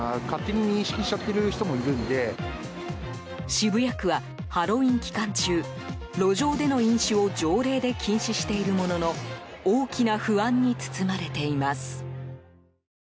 渋谷区はハロウィーン期間中路上での飲酒を条例で禁止しているものの大きな不安に包まれています。